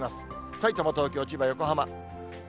さいたま、東京、千葉、横浜。